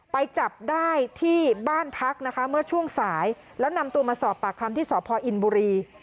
ไปจับได้ที่บ้านพักนะคะเมื่อช่วงสายแล้วนำตัวมาสอบปากคำที่สพอินบุรี